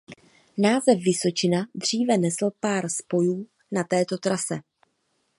Název Vysočina dříve nesl pár spojů na této trase.